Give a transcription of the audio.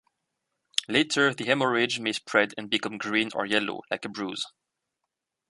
Later, the hemorrhage may spread and become green or yellow, like a bruise.